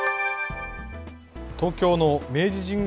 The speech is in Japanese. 東京の明治神宮